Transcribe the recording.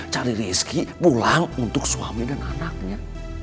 cari rizki pulang untuk suami dan anaknya